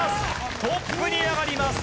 トップに上がります。